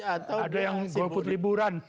ada yang golput liburan